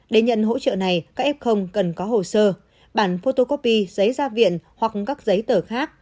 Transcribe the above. để nhận hỗ trợ này các f cần có hồ sơ bản photocopy giấy gia viện hoặc các giấy tờ khác